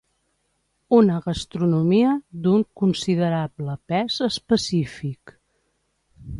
una gastronomia d'un considerable pes específic